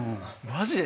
マジで？